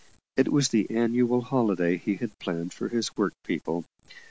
It was the annual holiday he had planned for his work people.